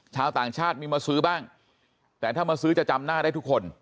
ชาวต่างชาติมีมาซื้อบ้างแต่ถ้ามาซื้อจะจำหน้าได้ทุกคน